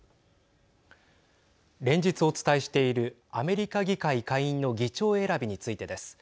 連日お伝えしているアメリカ議会下院の議長選びについてです。